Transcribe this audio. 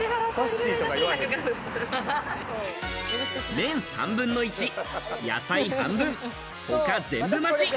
麺３分の１、野菜半分、他、全部マシ。